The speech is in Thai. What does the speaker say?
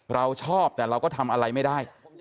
เราชอบแต่เราก็ทำอะไรไม่ได้